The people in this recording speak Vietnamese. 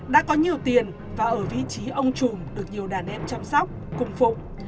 đã có nhiều tiền và ở vị trí ông trùm được nhiều đàn em chăm sóc cung phục